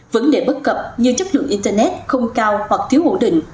vấn đề bất cập như chất lượng internet không cao hoặc thiếu ổn định